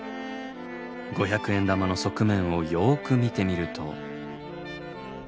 五百円玉の側面をよく見てみると。